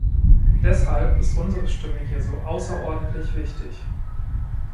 Deshalb ist unsere Stimme hier so außerordentlich wichtig.